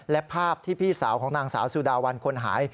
และภาพที่พี่สาวของนางสาวสุดาวันคนหาย